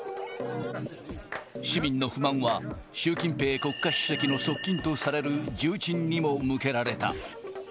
市民の不満は、習近平国家主席の側近とされる重鎮にも向けられた。